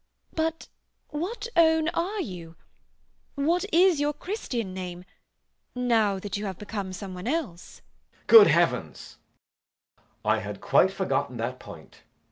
But what own are you? What is your Christian name, now that you have become some one else? JACK. Good heavens! ... I had quite forgotten that point.